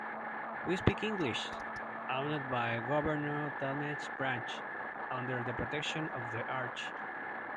We speak English!!owned by Governor Talmadge Branch!!under the protection of the Arch!!